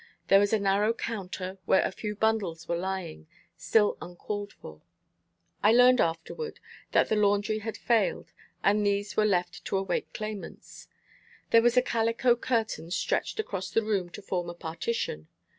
There was a narrow counter where a few bundles were lying, still uncalled for. I learned afterward, that the laundry had failed, and these were left to await claimants. There was a calico curtain stretched across the room to form a partition.